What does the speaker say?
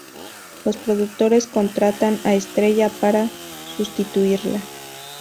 Los productores contratan a Estrella para sustituirla.